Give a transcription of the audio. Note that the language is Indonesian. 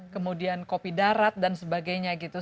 kemudian kopi darat dan sebagainya gitu